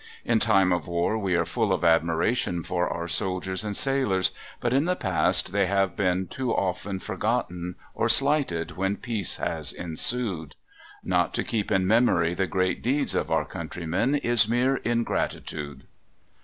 In time of war we are full of admiration for our soldiers and sailors, but in the past they have been too often forgotten or slighted when peace has ensued. Not to keep in memory the great deeds of our countrymen is mere ingratitude.